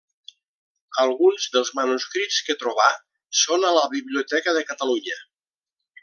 Alguns dels manuscrits que trobà són a la Biblioteca de Catalunya.